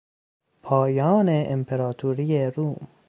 پایان امپراطوری روم